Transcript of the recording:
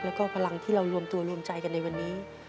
แล้วก็พลังที่เรารวมตัวรวมใจกันในวันนี้